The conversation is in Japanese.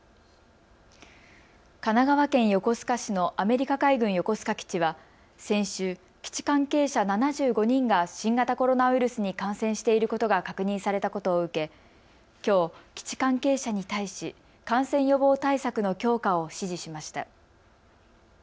神奈川県横須賀市のアメリカ海軍横須賀基地は先週、基地関係者７５人が新型コロナウイルスに感染していることが確認されたことを受けきょう、基地関係者に対し感染予防対策の強化を指示しました。